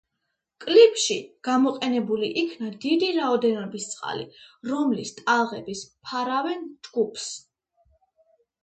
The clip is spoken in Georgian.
კლიპში გამოყენებული იქნა დიდი რაოდენობის წყალი, რომლის ტალღების ფარავენ ჯგუფს.